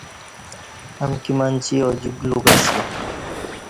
امکی منچی اوجیک لوکہ اسی